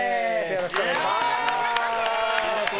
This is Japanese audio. よろしくお願いします！